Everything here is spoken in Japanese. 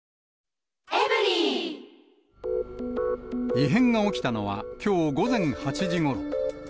異変が起きたのは、きょう午前８時ごろ。